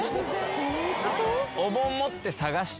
・どういうこと？